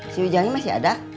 si ujangnya masih ada